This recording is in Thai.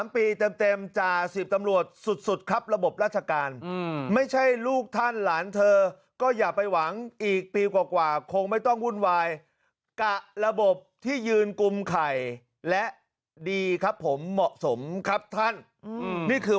เต็มจ่า๑๐ตำรวจสุดครับระบบราชการไม่ใช่ลูกท่านหลานเธอก็อย่าไปหวังอีกปีกว่าคงไม่ต้องวุ่นวายกะระบบที่ยืนกุมไข่และดีครับผมเหมาะสมครับท่านนี่คือ